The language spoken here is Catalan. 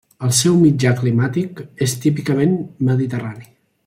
El seu mitjà climàtic és típicament mediterrani.